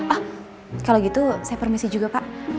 ah kalau gitu saya permisi juga pak